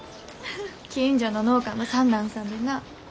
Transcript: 近所の農家の三男さんでな。